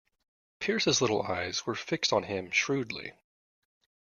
Pearce's little eyes were fixed on him shrewdly.